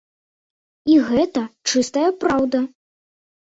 І гэта чыстая праўда.